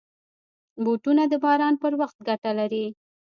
بوټونه د باران پر وخت ګټه لري.